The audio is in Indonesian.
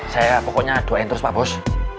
saya pokoknya doain terus pak bos